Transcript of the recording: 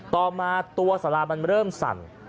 ต่อมาตัวสารามันเริ่มสั่น